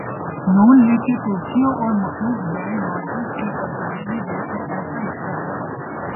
ن لیگ کے توپچیوں اور مختلف بینڈ ماسٹرز کی کارکردگی دیکھ کر ایسا لگتا ہے۔